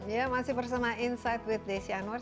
ya masih bersama insight with desi anwar